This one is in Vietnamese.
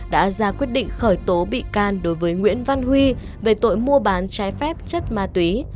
đã ra quyết định khởi tố bị can đối với nguyễn văn huy về tội mua bán trái phép chất ma túy